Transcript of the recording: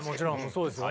そうですよ。